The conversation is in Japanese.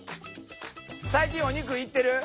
最近お肉行ってる？